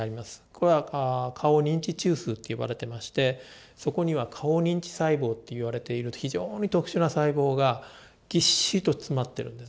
これは顔認知中枢って呼ばれてましてそこには顔認知細胞っていわれている非常に特殊な細胞がぎっしりと詰まってるんですね。